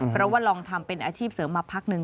เพราะว่าลองทำเป็นอาชีพเสริมมาพักหนึ่ง